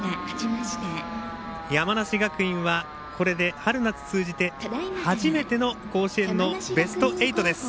山梨学院はこれで春夏通じて初めての甲子園のベスト８です。